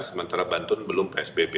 sementara bantun belum psbb